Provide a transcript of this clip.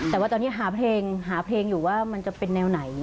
แต่ว่าตอนนี้หาเพลงหาเพลงอยู่ว่ามันจะเป็นแนวไหน